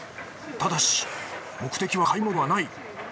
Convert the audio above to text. ただし目的は買い物ではない。